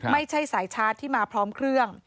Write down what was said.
ไม่ใช่สายชาร์จที่มาพร้อมเครื่อง